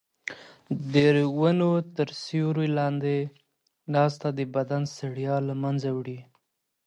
د ونو تر سیوري لاندې ناسته د بدن ستړیا له منځه وړي.